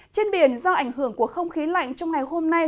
trên biển do ảnh hưởng của không khí lạnh trong ngày hôm nay